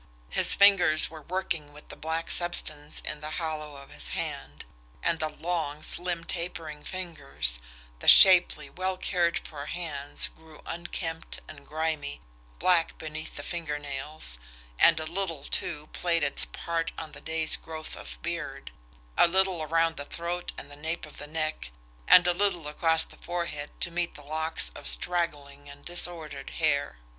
His fingers were working with the black substance in the hollow of his hand and the long, slim, tapering fingers, the shapely, well cared for hands grew unkempt and grimy, black beneath the finger nails and a little, too, played its part on the day's growth of beard, a little around the throat and at the nape of the neck, a little across the forehead to meet the locks of straggling and disordered hair.